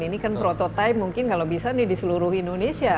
ini kan prototipe mungkin kalau bisa nih di seluruh indonesia